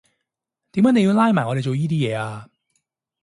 點解你要拉埋我哋做依啲嘢呀？